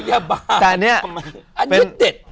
อันนี้เด็ด